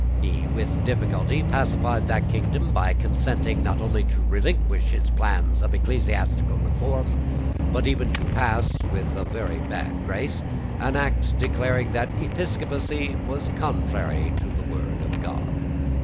He with difficulty pacified that kingdom by consenting, not only to relinquish his plans of ecclesiastical reform, but even to pass, with a very bad grace, an act declaring that episcopacy was contrary to the word of God.